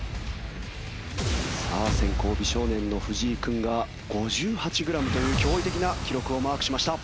さあ先攻美少年の藤井君が５８グラムという驚異的な記録をマークしました。